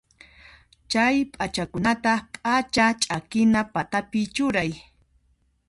Chay p'achakunata p'acha ch'akina patapi churay.